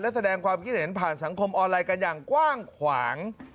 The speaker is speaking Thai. และแสดงความคิดเห็นผ่านสังคมออนไลน์กันอย่างกว้างขวาง